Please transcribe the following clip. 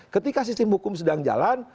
ketika sistem hukum sedang jalan